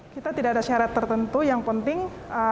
kita tidak ada syarat tertentu yang penting